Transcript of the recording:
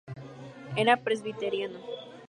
Era presbiteriano.